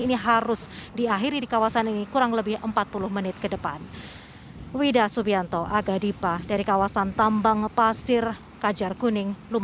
ini harus diakhiri di kawasan ini kurang lebih empat puluh menit ke depan